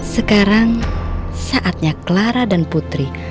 sekarang saatnya clara dan putri